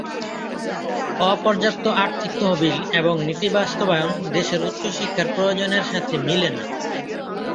অপর্যাপ্ত আর্থিক তহবিল এবং নীতি বাস্তবায়ন দেশের উচ্চশিক্ষার প্রয়োজনের সাথে মিলে না।